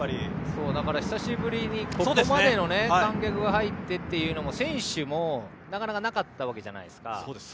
久しぶりにここまでの観客が入ってというのは選手も、なかなかなかったわけじゃないですか。